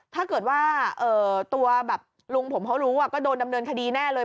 ถ้าเกิดว่าตัวแบบลุงผมเขารู้ก็โดนดำเนินคดีแน่เลย